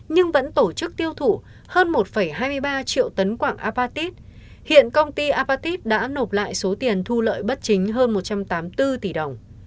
nhưng vẫn tổ chức tiêu thụ hơn một hai mươi ba triệu tấn quạng apatit hiện công ty apatit đã nộp lại số tiền thu lợi bất chính hơn một trăm tám mươi bốn tỷ đồng